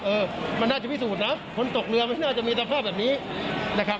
เออมันน่าจะพิสูจน์นะคนตกเรือไม่น่าจะมีสภาพแบบนี้นะครับ